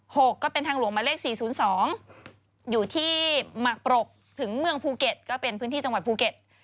ก็เป็นทางหลวงหมายเลขสี่ศูนย์สองอยู่ที่หมากปรกถึงเมืองภูเก็ตก็เป็นพื้นที่จังหวัดภูเก็ต